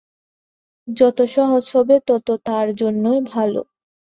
যত সহজ হবে, ততই তাঁর জন্যে ভালো।